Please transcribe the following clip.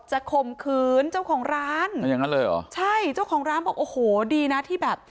ข่มขืนเจ้าของร้านอย่างนั้นเลยเหรอใช่เจ้าของร้านบอกโอ้โหดีนะที่แบบ